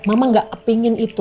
mama gak kepingin itu